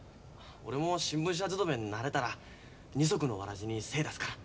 俺も新聞社勤めに慣れたら二足のわらじに精出すから。